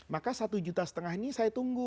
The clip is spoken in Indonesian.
maka satu juta setengah ini saya tunggu